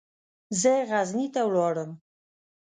زه غزني ته ولاړم.